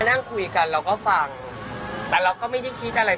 นั่งคุยกันเราก็ฟังแต่เราก็ไม่ได้คิดอะไร